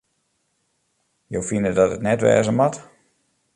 Jo fine dat it net wêze moat?